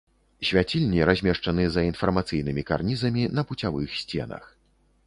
Свяцільні размешчаны за інфармацыйнымі карнізамі на пуцявых сценах.